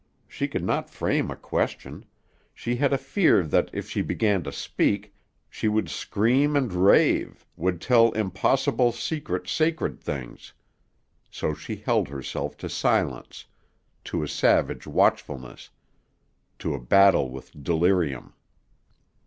She could not frame a question; she had a fear that, if she began to speak, she would scream and rave, would tell impossible, secret, sacred things. So she held herself to silence, to a savage watchfulness, to a battle with delirium.